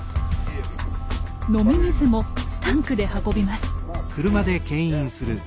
飲み水もタンクで運びます。